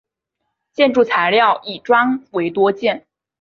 建筑材料以砖为多见。